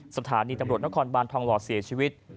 สถานีตำรวจนครบานทองหล่อเสียชีวิต